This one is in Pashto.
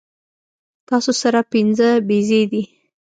تاسو سره پنځۀ بيزې دي